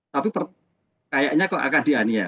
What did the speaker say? tapi kayaknya kok akan dianiaya